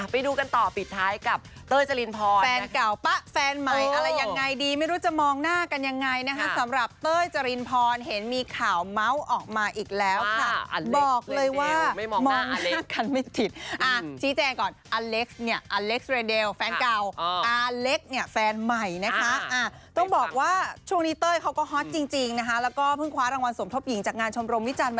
ไปดูกันต่อปิดท้ายกับเต้ยจริงพร